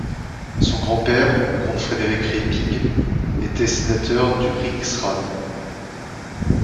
Son grand-père, le comte Frédéric Ribbing, était sénateur du Riksråd.